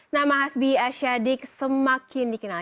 nama hasbi asyadik semakin dikenal